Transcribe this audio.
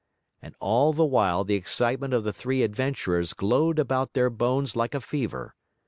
And all the while the excitement of the three adventurers glowed about their bones like a fever.